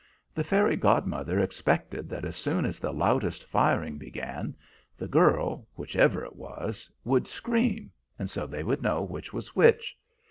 The fairy godmother expected that as soon as the loudest firing began, the girl, whichever it was, would scream, and so they would know which was which.